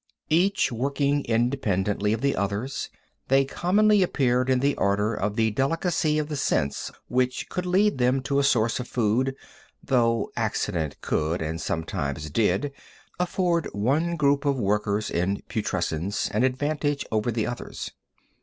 Each working independently of the others, they commonly appeared in the order of the delicacy of the sense which could lead them to a source of food, though accident could and sometimes did afford one group of workers in putrescence an advantage over the others.